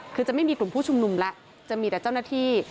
คือจะไม่มีกลุ่มผู้ชุมนุมแล้วจะมีแต่เจ้าหน้าที่